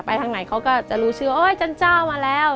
ทางไหนเขาก็จะรู้ชื่อโอ๊ยจันเจ้ามาแล้ว